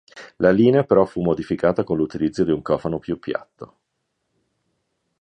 La linea però fu modificata con l'utilizzo di un cofano più piatto.